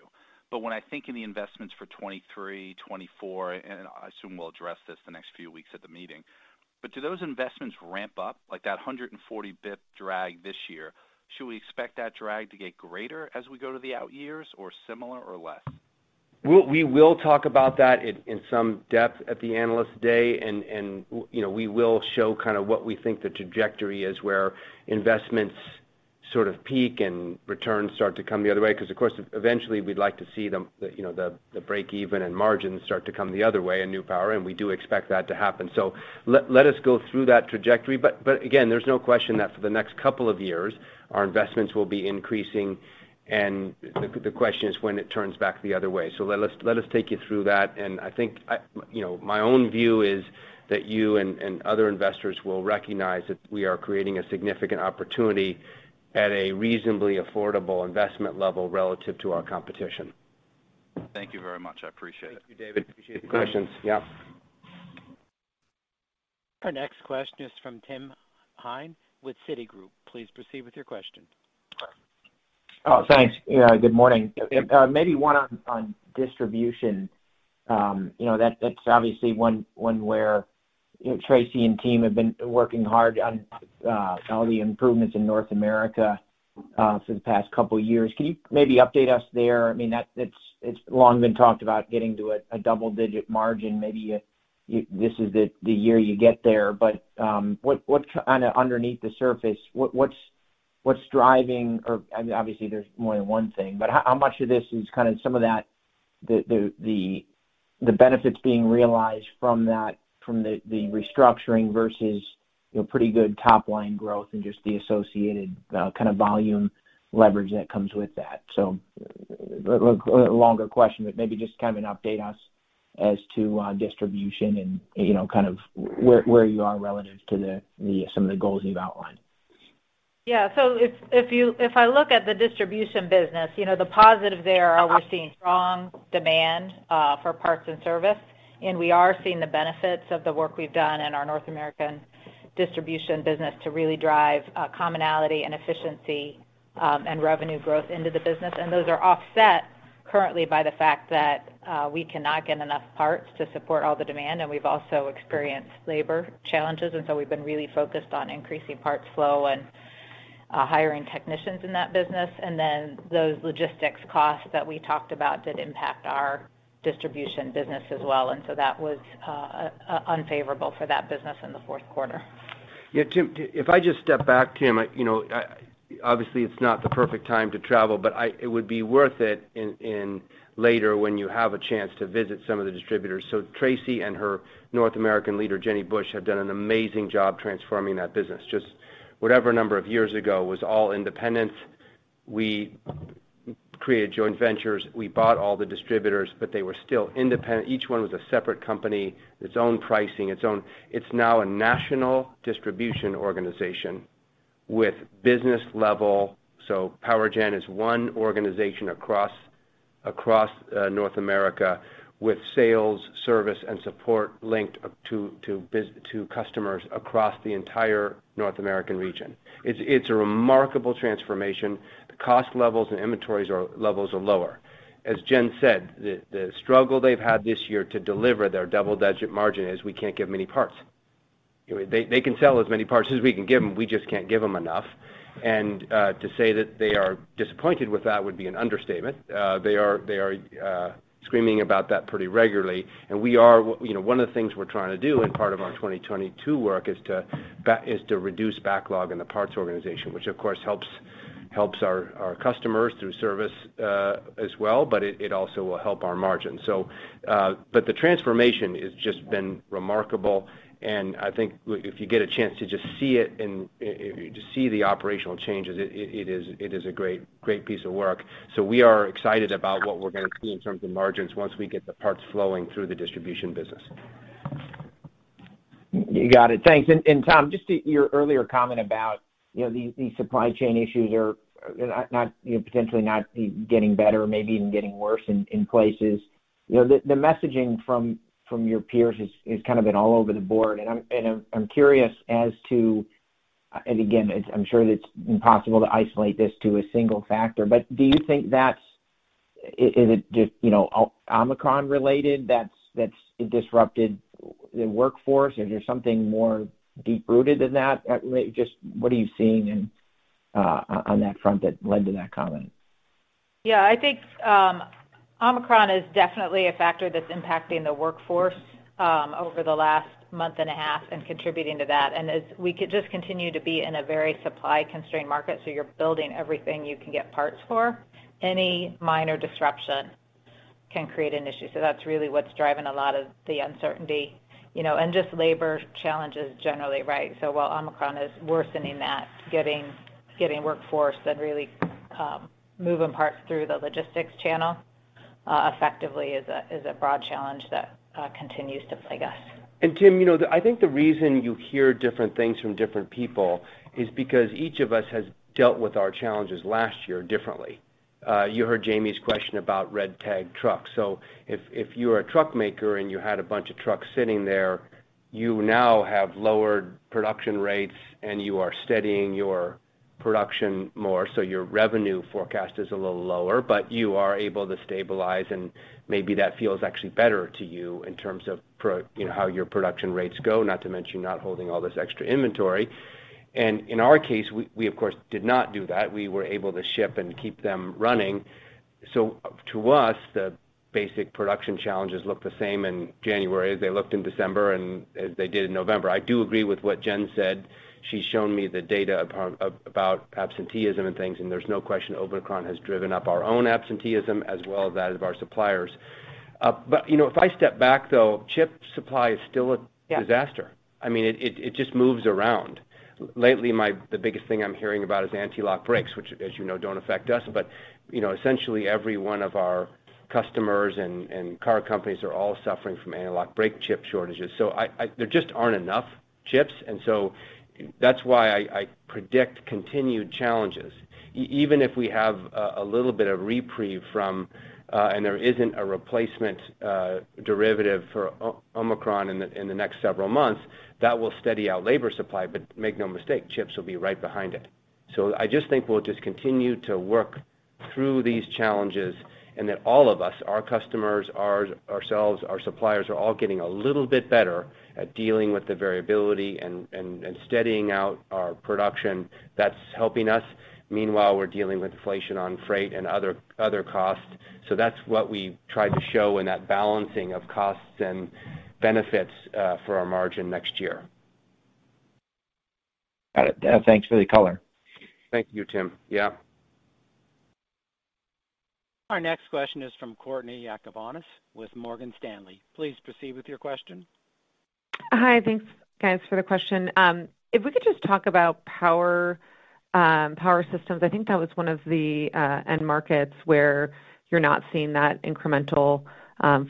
When I think of the investments for 2023, 2024, and I assume we'll address this the next few weeks at the meeting. Do those investments ramp up like that 140 basis points drag this year? Should we expect that drag to get greater as we go to the out years or similar or less? We will talk about that in some depth at the Analyst Day, and you know, we will show kind of what we think the trajectory is where investments sort of peak and returns start to come the other way, 'cause of course eventually we'd like to see them you know the breakeven and margins start to come the other way in New Power, and we do expect that to happen. Let us go through that trajectory. Again, there's no question that for the next couple of years, our investments will be increasing, and the question is when it turns back the other way. Let us take you through that. I think you know, my own view is that you and other investors will recognize that we are creating a significant opportunity at a reasonably affordable investment level relative to our competition. Thank you very much. I appreciate it. Thank you, David. I appreciate the questions. Yeah. Our next question is from Timothy Thein with Citigroup. Please proceed with your question. Oh, thanks. Yeah, good morning. Maybe one on distribution. You know, that's obviously one where you know, Tracy and team have been working hard on all the improvements in North America for the past couple years. Can you maybe update us there? I mean, that's long been talked about getting to a double-digit margin. Maybe this is the year you get there. But, what's kinda underneath the surface? What's driving or I mean, obviously, there's more than one thing, but how much of this is kind of some of that, the benefits being realized from that, from the restructuring versus you know, pretty good top-line growth and just the associated kind of volume leverage that comes with that? Longer question, but maybe just kind of an update us as to distribution and, you know, kind of where you are relative to the some of the goals you've outlined? Yeah. If I look at the distribution business, you know, the positive there are we're seeing strong demand for parts and service, and we are seeing the benefits of the work we've done in our North American distribution business to really drive commonality and efficiency and revenue growth into the business. Those are offset currently by the fact that we cannot get enough parts to support all the demand, and we've also experienced labor challenges, so we've been really focused on increasing parts flow and hiring technicians in that business. Then those logistics costs that we talked about did impact our distribution business as well, so that was unfavorable for that business in the fourth quarter. Yeah, Tim, if I just step back, Tim, you know, obviously, it's not the perfect time to travel, but it would be worth it later when you have a chance to visit some of the distributors. Tracy and her North American leader, Jenny Bush, have done an amazing job transforming that business. Just whatever number of years ago, it was all independent. We created joint ventures. We bought all the distributors, but they were still independent. Each one was a separate company with its own pricing, its own. It's now a national distribution organization with business level. PowerGen is one organization across North America with sales, service, and support linked to customers across the entire North American region. It's a remarkable transformation. The cost levels and inventory levels are lower. As Jen said, the struggle they've had this year to deliver their double-digit margin is we can't give many parts. They can sell as many parts as we can give them. We just can't give them enough. To say that they are disappointed with that would be an understatement. They are screaming about that pretty regularly. We are—you know, one of the things we're trying to do in part of our 2022 work is to reduce backlog in the parts organization, which of course helps our customers through service as well, but it also will help our margin. But the transformation has just been remarkable. I think if you get a chance to just see it and if you just see the operational changes, it is a great piece of work. We are excited about what we're gonna see in terms of margins once we get the parts flowing through the distribution business. You got it. Thanks. Tom, just to your earlier comment about, you know, the supply chain issues are not, you know, potentially not, you know, getting better or maybe even getting worse in places. You know, the messaging from your peers has kind of been all over the board. I'm curious as to. Again, I'm sure that it's impossible to isolate this to a single factor. Is it just, you know, Omicron related that's disrupted the workforce, or there's something more deep-rooted than that? Just what are you seeing on that front that led to that comment? Yeah. I think Omicron is definitely a factor that's impacting the workforce over the last month and a half and contributing to that. As we could just continue to be in a very supply-constrained market, you're building everything you can get parts for, any minor disruption can create an issue. That's really what's driving a lot of the uncertainty, you know, and just labor challenges generally, right? While Omicron is worsening that, getting workforce that really moving parts through the logistics channel effectively is a broad challenge that continues to plague us. Tim, you know, I think the reason you hear different things from different people is because each of us has dealt with our challenges last year differently. You heard Jamie's question about red tag trucks. If you're a truck maker and you had a bunch of trucks sitting there, you now have lowered production rates, and you are steadying your production more, so your revenue forecast is a little lower, but you are able to stabilize, and maybe that feels actually better to you in terms of you know, how your production rates go, not to mention not holding all this extra inventory. In our case, we, of course, did not do that. We were able to ship and keep them running. To us, the basic production challenges look the same in January as they looked in December and as they did in November. I do agree with what Jen said. She's shown me the data about absenteeism and things, and there's no question Omicron has driven up our own absenteeism as well as that of our suppliers. You know, if I step back, though, chip supply is still a disaster. Yeah. I mean, it just moves around. Lately, the biggest thing I'm hearing about is anti-lock brakes, which as you know, don't affect us. You know, essentially every one of our customers and car companies are all suffering from anti-lock brake chip shortages. There just aren't enough chips, and so that's why I predict continued challenges. Even if we have a little bit of reprieve from Omicron and there isn't a replacement variant for Omicron in the next several months, that will steady our labor supply. Make no mistake, chips will be right behind it. I just think we'll just continue to work through these challenges, and that all of us, our customers, ourselves, our suppliers, are all getting a little bit better at dealing with the variability and steadying out our production. That's helping us. Meanwhile, we're dealing with inflation on freight and other costs. That's what we tried to show in that balancing of costs and benefits for our margin next year. Got it. Thanks for the color. Thank you, Tim. Yeah. Our next question is from Courtney Yakavonis with Morgan Stanley. Please proceed with your question. Hi. Thanks, guys, for the question. If we could just talk about power, Power Systems. I think that was one of the end markets where you're not seeing that incremental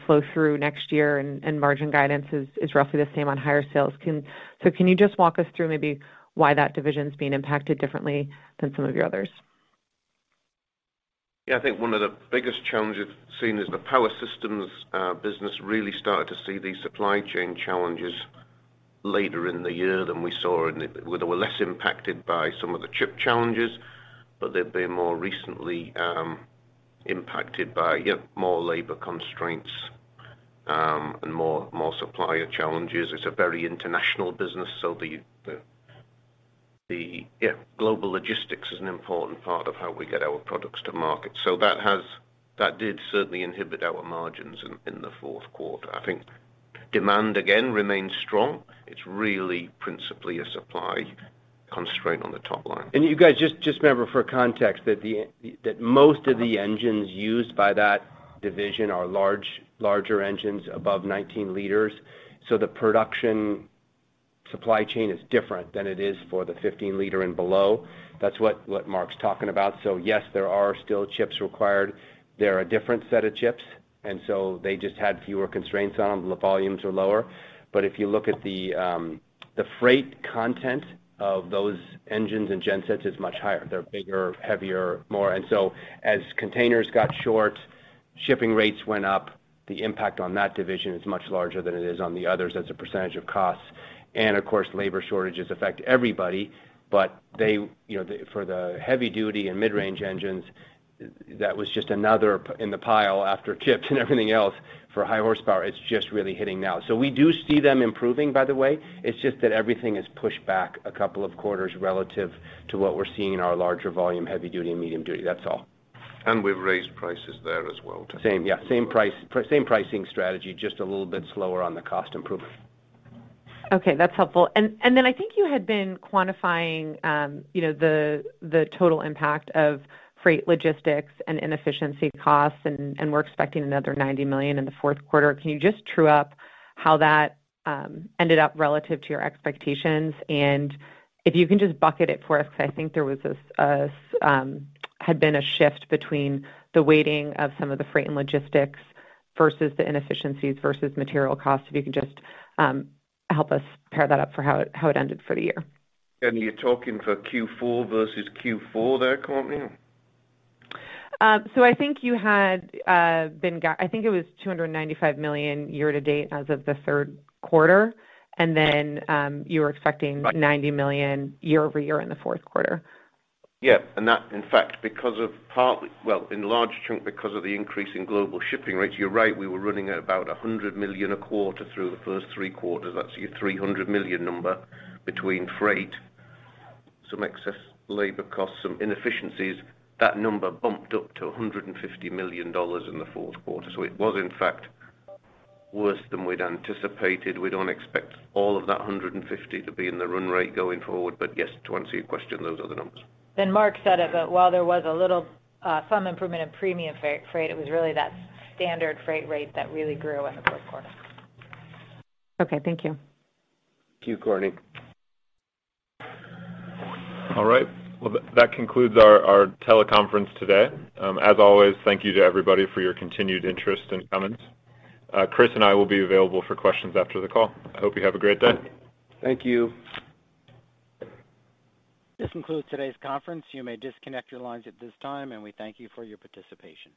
flow through next year and margin guidance is roughly the same on higher sales. Can you just walk us through maybe why that division's being impacted differently than some of your others? Yeah. I think one of the biggest challenges seen is the Power Systems business really started to see these supply chain challenges later in the year. Well, they were less impacted by some of the chip challenges, but they've been more recently impacted by more labor constraints and more supplier challenges. It's a very international business, so global logistics is an important part of how we get our products to market. That did certainly inhibit our margins in the fourth quarter. I think demand, again, remains strong. It's really principally a supply constraint on the top line. You guys, just remember for context that most of the engines used by that division are large, larger engines above 19 liters. The production supply chain is different than it is for the 15-liter and below. That's what Mark's talking about. Yes, there are still chips required. They're a different set of chips, and they just had fewer constraints on them. The volumes are lower. If you look at the freight content of those engines and gensets is much higher. They're bigger, heavier, more. As containers got short, shipping rates went up. The impact on that division is much larger than it is on the others as a percentage of costs. Of course, labor shortages affect everybody, but they, you know, for the heavy-duty and mid-range engines, that was just another in the pile after chips and everything else. For high horsepower, it's just really hitting now. We do see them improving, by the way. It's just that everything is pushed back a couple of quarters relative to what we're seeing in our larger volume, heavy-duty and medium-duty. That's all. We've raised prices there as well. Same, yeah. Same price, same pricing strategy, just a little bit slower on the cost improvement. Okay, that's helpful. Then I think you had been quantifying, you know, the total impact of freight logistics and inefficiency costs and we're expecting another $90 million in the fourth quarter. Can you just true up how that ended up relative to your expectations? If you can just bucket it for us, 'cause I think there was a shift between the weighting of some of the freight and logistics versus the inefficiencies versus material costs. If you can just help us pair that up for how it ended for the year. You're talking for Q4 versus Q4 there, Courtney? I think you had. I think it was $295 million year to date as of the third quarter. You were expecting- Right. $90 million year-over-year in the fourth quarter. Yeah. That in fact, because of, in large part, because of the increase in global shipping rates, you're right, we were running at about $100 million a quarter through the first three quarters. That's your $300 million number between freight, some excess labor costs, some inefficiencies. That number bumped up to $150 million in the fourth quarter. It was in fact worse than we'd anticipated. We don't expect all of that $150 to be in the run rate going forward. Yes, to answer your question, those are the numbers. Mark said it, that while there was a little, some improvement in premium freight, it was really that standard freight rate that really grew in the fourth quarter. Okay, thank you. Thank you, Courtney. All right. Well, that concludes our teleconference today. As always, thank you to everybody for your continued interest and comments. Chris and I will be available for questions after the call. I hope you have a great day. Thank you. This concludes today's conference. You may disconnect your lines at this time, and we thank you for your participation.